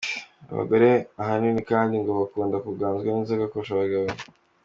Abagore ahanini kandi ngo bakunda kuganzwa n’inzoga kurusha abagabo.